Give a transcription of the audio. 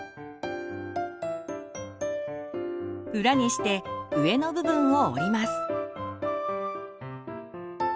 裏にして上の部分を折ります。